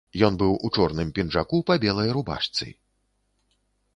Ён быў у чорным пінжаку па белай рубашцы.